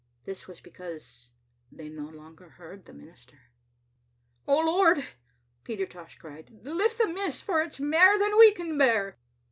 This was because they no longer heard the minister. "O Lord!" Peter Tosh cried, "lift the mist, for it*s mair than we can bear.